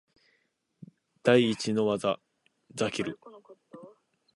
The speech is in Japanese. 第一の術ザケル